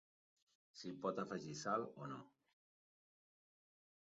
S'hi pot afegir sal o no.